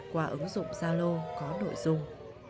qua ứng dụng zalo có nội dung